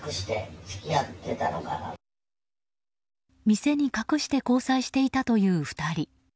店に隠して交際していたという２人。